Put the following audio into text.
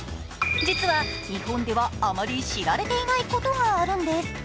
実は日本ではあまり知られていないことがあるんです。